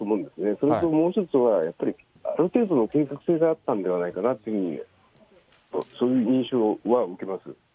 それともう１つは、やっぱりある程度の計画性があったんではないかなというふうに、そういう印象は受けます。